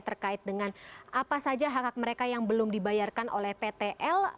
terkait dengan apa saja hak hak mereka yang belum dibayarkan oleh ptl